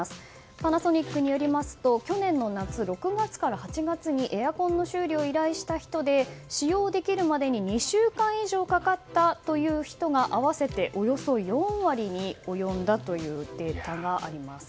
パナソニックによりますと去年の夏６月から８月にエアコンの修理を依頼した人で使用できるまでに２週間以上かかったという人が合わせておよそ４割に及んだというデータがあります。